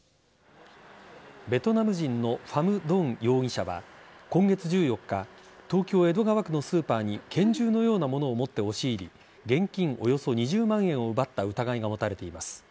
ベトナム人のファム・ドン容疑者は今月１４日東京・江戸川区のスーパーに拳銃のようなものを持って押し入り現金およそ２０万円を奪った疑いが持たれています。